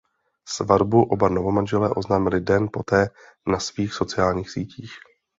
Svatbu oba novomanželé oznámili den poté na svých sociálních sítích.